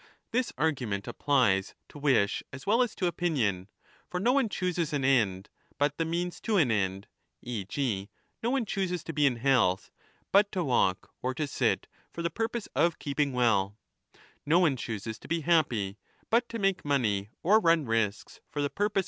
This argument applies to wish as well as to opinion ; for no on£ chooses an end, but the means to an end, e. g. no one chooses to be in health, but to walk or to sit for the purpose of keeping well ; no one chooses to be 10 happy but to make money or run risks for the purpose of I7 I227» 17 = E.